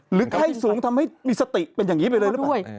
ไข้สูงทำให้มีสติเป็นอย่างนี้ไปเลยหรือเปล่า